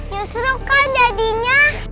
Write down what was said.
justru kan jadinya